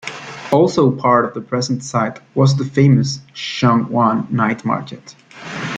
Also part of the present site was the famous Sheung Wan night market.